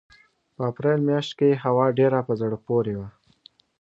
په اپرېل مياشت کې یې هوا ډېره په زړه پورې وي.